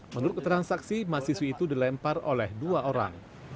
menurut transaksi mahasiswi itu dilempar oleh dua orang